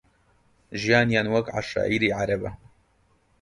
ژیانیان وەک عەشایری عەرەبە